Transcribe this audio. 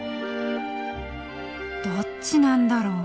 どっちなんだろう。